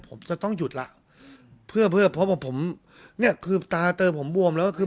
ผมจะต้องหยุดแล้วเพื่อเพื่อพบว่าผมเนี่ยคือตาเติมผมบวมแล้วก็คือ